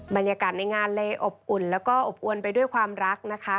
บรรยากาศในงานเลยอบอุ่นแล้วก็อบอวนไปด้วยความรักนะคะ